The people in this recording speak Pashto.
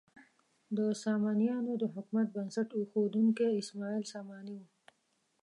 د سامانیانو د حکومت بنسټ ایښودونکی اسماعیل ساماني و.